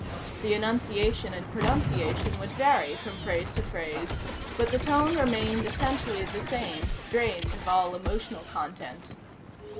The enunciation and pronunciation would vary from phrase to phrase, but the tone remained essentially the same, drained of all emotional content.